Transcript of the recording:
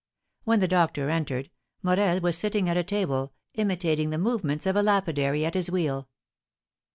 When the doctor entered, Morel was sitting at a table, imitating the movements of a lapidary at his wheel.